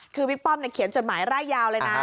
คือบิ๊กป้อมเขียนจดหมายร่ายยาวเลยนะ